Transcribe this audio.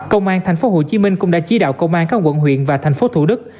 công an thành phố hồ chí minh cũng đã chỉ đạo công an các quận huyện và thành phố thủ đức